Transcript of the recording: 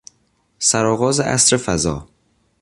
سرآغاز عصر فضا